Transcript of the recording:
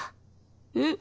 えっ？